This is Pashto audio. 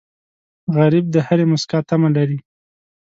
غریب د هرې موسکا تمه لري